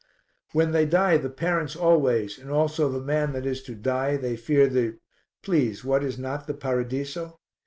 "When they die the parents always, and also the man that is to die, they fear the please, what is not the paradiso?